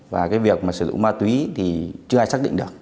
và cái việc mà sử dụng ma túy thì chưa ai xác định được